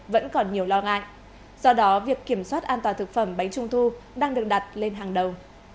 vẫn còn nhiều lo ngại do đó việc kiểm soát an toàn thực phẩm bánh trung thu đang được đặt lên hàng đầu